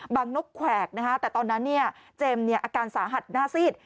นกแขวกแต่ตอนนั้นเจมส์อาการสาหัสหน้าซีด